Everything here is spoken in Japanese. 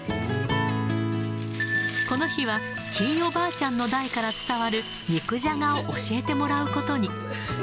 この日は、ひいおばあちゃんの代から伝わる肉じゃがを教えてもらうことに。